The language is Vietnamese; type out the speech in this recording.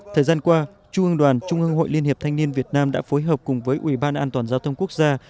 thời gian qua chuông đoàn trung ương hội liên hiệp thanh niên việt nam đã phối hợp cùng với uban giao thông quốc gia